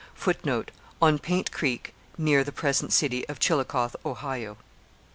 [Footnote: On Paint Creek, near the present city of Chillicothe, Ohio.